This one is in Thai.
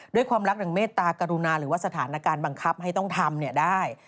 ด้วยความรักอย่างเมตตากรุณาหรือว่าสถานการณ์บังคับให้ต้องทำได้